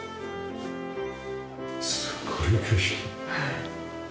すごい景色。